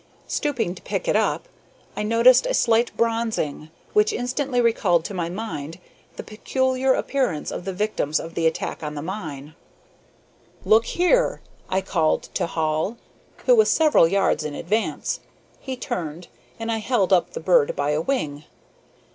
Stooping to pick it up, I noticed a slight bronzing, which instantly recalled to my mind the peculiar appearance of the victims of the attack on the mine. "Look here!" I called to Hall, who was several yards in advance. He turned, and I held up the bird by a wing.